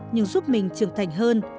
nhưng giúp mình trưởng thành hơn